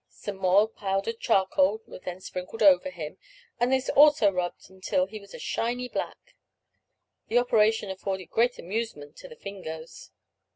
Some more powdered charcoal was then sprinkled over him, and this also rubbed until he was a shiny black, the operation affording great amusement to the Fingoes.